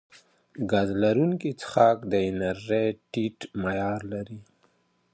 ګاز لرونکي څښاک د انرژۍ ټیټ معیار لري.